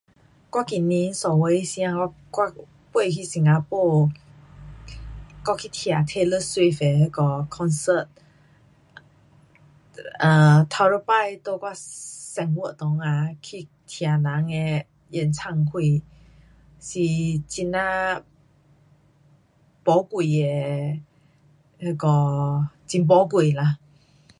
我今年三月时间我飞去新加坡，我去听 Taylor Swift 的那个 concert um 第一次在我生活中啊去听人的演唱会。是非常宝贵的那个很宝贵啦。